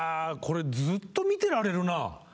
これずっと見てられるな。